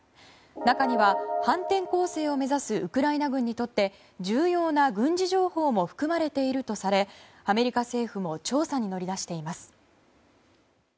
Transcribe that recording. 中には反転攻勢を目指すウクライナ軍にとって重要な軍事情報も含まれているとされアメリカ政府も調査に乗り出しています。